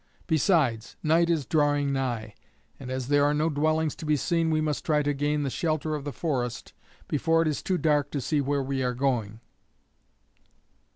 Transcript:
Besides, night is drawing nigh, and as there are no dwellings to be seen we must try to gain the shelter of the forest before it is too dark to see where we are going."